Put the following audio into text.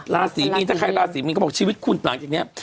ราศีมีนถ้าใครราศีมีนก็บอกชีวิตคุณหลังจากนี้